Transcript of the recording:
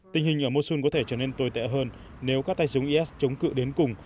tình hình ở mosun có thể trở nên tồi tệ hơn nếu các tay súng is chống cự đến cùng